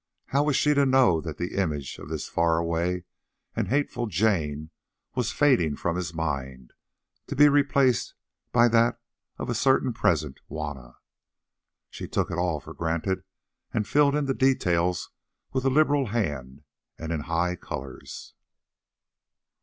How was she to know that the image of this faraway and hateful Jane was fading from his mind, to be replaced by that of a certain present Juanna? She took it all for granted, and filled in the details with a liberal hand and in high colours.